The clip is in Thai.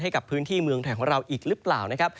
ให้กับพื้นที่เมืองไทยของเราอีกหรือเปล่านะครับ